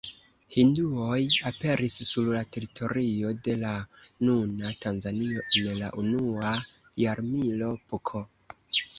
Hinduoj aperis sur la teritorio de la nuna Tanzanio en la unua jarmilo pK.